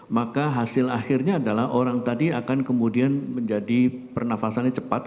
maka hasil akhirnya adalah orang tadi akan kemudian menjadi pernafasannya cepat